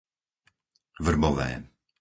Vrbové